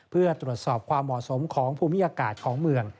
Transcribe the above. เพื่อตรวจสอบความเหมาะสมของภูมิอากาศของเมือง